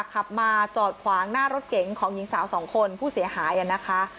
ขับมาจอดขวางหน้ารถเก๋งของหญิงสาวสองคนผู้เสียหายนะคะ